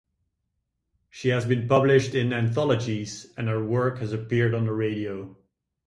She has been published in anthologies and her work has appeared on the radio.